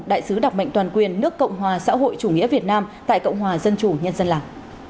đại sứ đặc mệnh toàn quyền nước cộng hòa xã hội chủ nghĩa việt nam tại cộng hòa dân chủ nhân dân lào